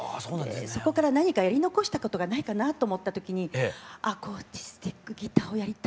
そこから何かやり残したことがないかなと思ったときにアコースティックギターをやりたい。